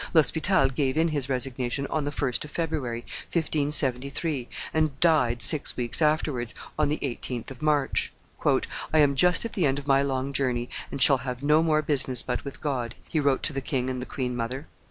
L'Hospital gave in his resignation on the 1st of February, 1573, and died six weeks afterwards, on the 18th of March. "I am just at the end of my long journey, and shall have no more business but with God," he wrote to the king and the queen mother.